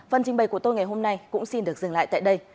phần trình bày của tôi ngày hôm nay cũng xin được dừng lại tại đây